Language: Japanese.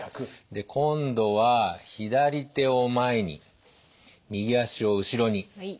で今度は左手を前に右足を後ろに。